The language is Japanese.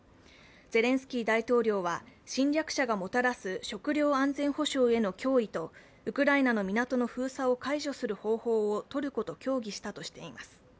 ゼレンスキー大統領は侵略者がもたらす食糧安全保障への脅威とウクライナの港の封鎖を解除する方法をトルコと協議したとしています。